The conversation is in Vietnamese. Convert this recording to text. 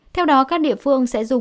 theo đó các địa phương sẽ dùng